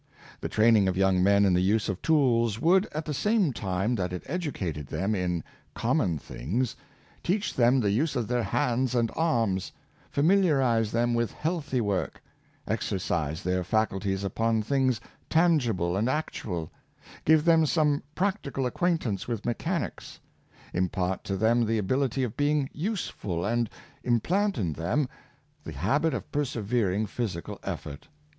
The training of young men in the useof tools would, at the same time that it educated them in " common things," teach them the use of their hands and arms, familiarize them with healthy work, exercise their fac ulties upon things tangible and actual, give them some practical acquaintance with mechanics, impart to them Sustained Application, 297 the ability of being useful, and implant in them the habit of persevering physical effort.